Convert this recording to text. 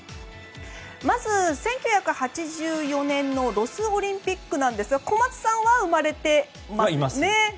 まず１９８４年のロスオリンピックですが小松さんは生まれていますね。